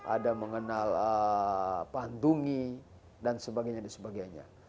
ada mengenal pantungi dan sebagainya